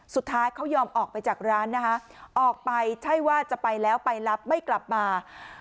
สุดท้ายเขายอมออกไปจากร้านนะคะออกไปใช่ว่าจะไปแล้วไปรับไม่กลับมา